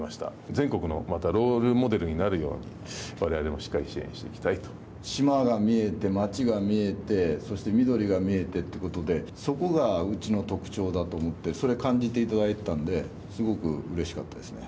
全国のロールモデルになるようにわれわれもしっかり支援していきたいと島が見えて街が見えて緑が見えてということでそこがうちの特徴だと思ってそれを感じていただいていたのですごくうれしかったですね。